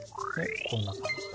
こんな感じだね。